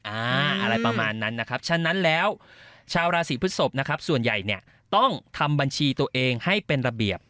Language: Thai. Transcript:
อะไรประมาณนั้นนะครับฉะนั้นแล้วชาวราศีพฤศพนะครับส่วนใหญ่เนี่ยต้องทำบัญชีตัวเองให้เป็นระเบียบ